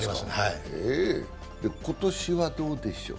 今年はどうでしょう？